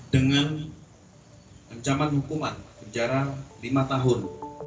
dengan ancaman hukuman penjara lima tahun